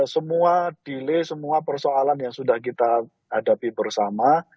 semua delay semua persoalan yang sudah kita hadapi bersama